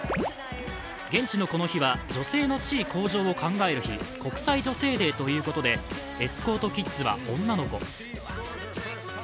現地のこの日は女性の地位向上を考える日、国際女性デーということでエスコートキッズは女の子。